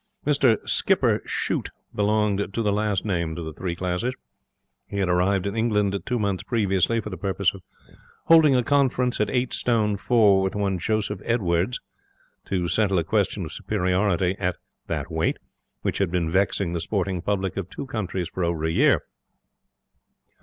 Mr 'Skipper' Shute belonged to the last named of the three classes. He had arrived in England two months previously for the purpose of holding a conference at eight stone four with one Joseph Edwardes, to settle a question of superiority at that weight which had been vexing the sporting public of two countries for over a year.